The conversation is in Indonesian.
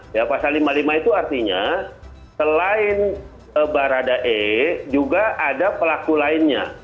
ya pasal lima puluh lima itu artinya selain barada e juga ada pelaku lainnya